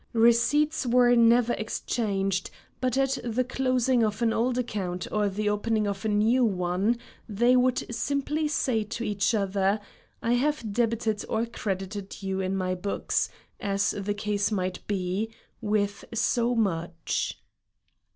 Receipts were never exchanged, but at the closing of an old account or the opening of a new one they would simply say to each other, I have debited or credited you in my books, as the case might be, with so much.